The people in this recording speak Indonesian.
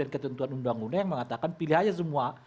ketentuan undang undang yang mengatakan pilih aja semua